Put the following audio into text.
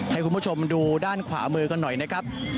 ให้คุณผู้ชมดูด้านขวามือกันหน่อยนะครับ